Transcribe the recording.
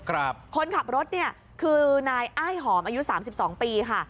กระบะรถเนี่ยคือนายอ้ายหอมอายุ๓๒ปีค่ะ